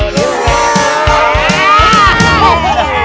ini dibungkit papa